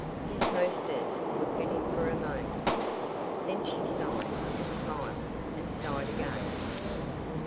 His hostess looked at him for a moment; then she sighed, and smiled, and sighed again.